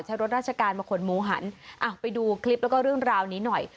รถราชการมาขนหมูหันอ้าวไปดูคลิปแล้วก็เรื่องราวนี้หน่อย